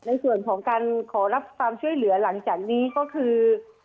ในส่วนของการขอรับความช่วยเหลือหลังจากนี้ก็คือ